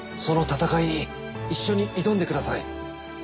その戦いに一緒に挑んでください。